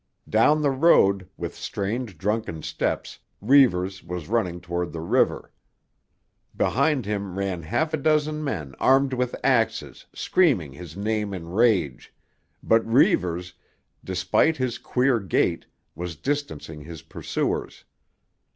Down the road, with strange, drunken steps, Reivers was running toward the river. Behind him ran half a dozen men armed with axes screaming his name in rage, but Reivers, despite his queer gait, was distancing his pursuers.